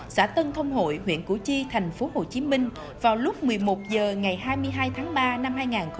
xã tân thông hội huyện củ chi thành phố hồ chí minh vào lúc một mươi một h ngày hai mươi hai tháng ba năm hai nghìn một mươi tám